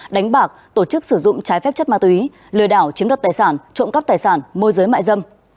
đánh bạc tổ chức sử dụng trái phép chất ma túy lừa đảo chiếm đoạt tài sản trộm cắp tài sản môi giới mại dâm